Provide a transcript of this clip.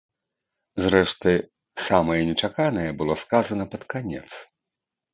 Зрэшты, самае нечаканае было сказана пад канец.